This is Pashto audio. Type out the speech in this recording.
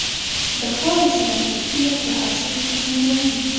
د خاورې سمه کرکيله ښه حاصل تضمینوي.